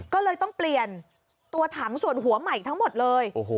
ก็เลยต้องเปลี่ยนตัวถังส่วนหัวใหม่ทั้งหมดเลย